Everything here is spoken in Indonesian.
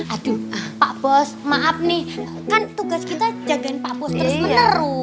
aduh pak bos maaf nih kan tugas kita jagain pak bos terus menerus